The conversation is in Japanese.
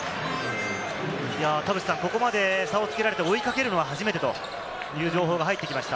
田臥さん、ここまで差をつけられて追いかけるのは初めてという情報が入ってきました。